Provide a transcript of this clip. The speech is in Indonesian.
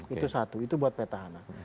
itu satu itu buat petahana